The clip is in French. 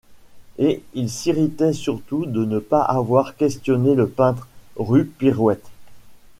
Et il s’irritait surtout de ne pas avoir questionné le peintre, rue Pirouette.